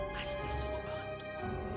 pasti semua orang tumpukanmu